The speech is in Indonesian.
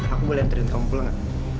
aku boleh anterin kamu pulang ya